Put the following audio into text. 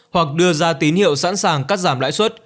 hoặc đưa ra tín hiệu sẵn sàng cắt giảm lãi suất